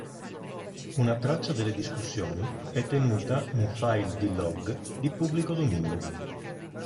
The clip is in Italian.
Una traccia delle discussioni è tenuta in file di log di pubblico dominio.